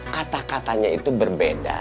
kata katanya itu berbeda